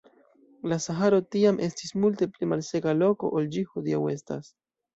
La Saharo tiam estis multe pli malseka loko ol ĝi hodiaŭ estas.